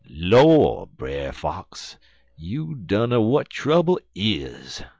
"'Lor', Brer Fox, you dunner w'at trubble is.